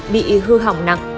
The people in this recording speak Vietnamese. bị hư hỏng nặng